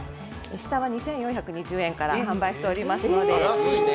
下は２４２０円から販売しておりますので。